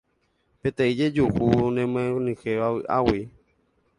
Peteĩ jejuhu nemyenyhẽva vy'águi